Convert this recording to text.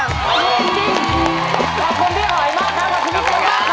ขอบคุณพี่หอยมากครับขอบคุณพี่เจ้ามากครับ